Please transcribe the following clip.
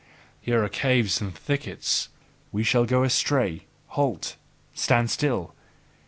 Here are caves and thickets: we shall go astray! Halt! Stand still!